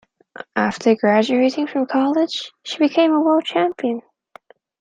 After graduating from college, she became a world champion.